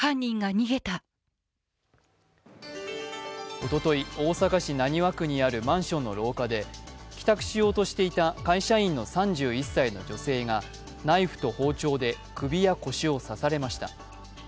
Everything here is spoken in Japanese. おととい、大阪市浪速区にあるマンションの廊下で帰宅しようとしていた会社員の３１歳の女性がナイフと包丁で首や腰を刺されました。